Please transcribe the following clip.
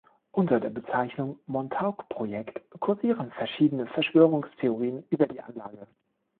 Unter der Bezeichnung Montauk-Projekt kursieren verschiedene Verschwörungstheorien über die Anlage.